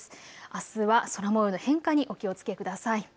あすは空もようの変化にお気をつけください。